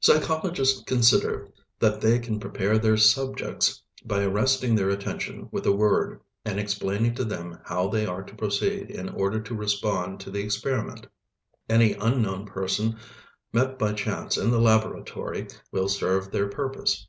Psychologists consider that they can prepare their "subjects" by arresting their attention with a word, and explaining to them how they are to proceed in order to respond to the experiment; any unknown person met by chance in the laboratory will serve their purpose.